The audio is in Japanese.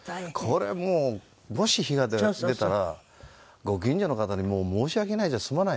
これもうもし火が出たらご近所の方にもう申し訳ないじゃ済まないと。